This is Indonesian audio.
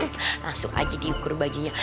langsung aja diukur bajunya